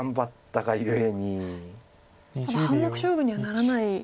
ただ半目勝負にはならない。